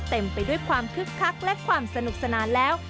เต็มไปด้วยความคึกคักและความสนุกสนานแล้ว